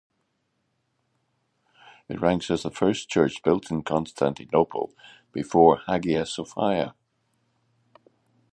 It ranks as the first church built in Constantinople before Hagia Sophia.